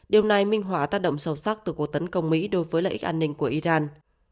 điều này minh họa tác động sâu sắc từ cuộc tấn công mỹ đối với lợi ích an ninh của iran